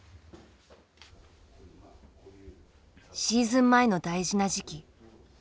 シーズン前の大事な時期。